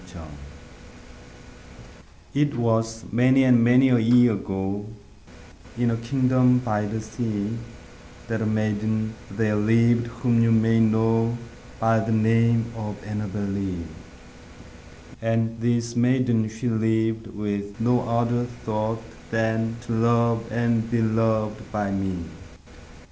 5 It was many and many a year ago, In a kingdom by the sea, That a maiden there lived whom you may know By the name of ANNABEL LEE; And this maiden she lived with no other thought Than to love and be loved by me.